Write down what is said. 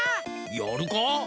やるか。